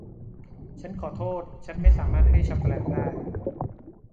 ฉันขอโทษฉันไม่สามารถให้ช็อกโกแลตได้